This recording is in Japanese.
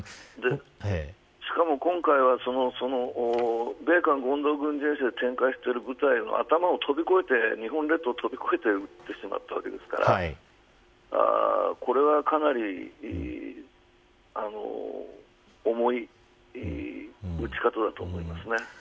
しかも、今回は米韓合同軍事演習を展開している部隊の頭を飛び越えて、日本列島を飛び越えて撃ってしまったわけですからこれはかなり重い撃ち方だと思います。